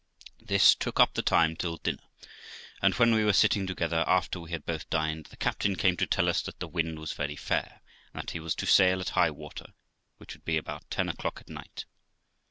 This took up the time till dinner, and when we were sitting together after we had both dined, the captain came to tell us that the wind was very fair, and that he was to sail at high water, which would be about ten o'clock at night.